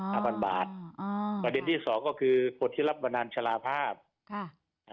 อ๋อห้าพันบาทอ๋อประเด็นที่สองก็คือคนที่รับบันดาลฉลาภาพค่ะ